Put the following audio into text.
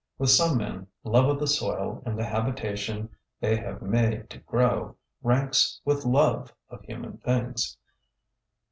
With some men, love of the soil and the habitation they have made to grow ranks with love of human things.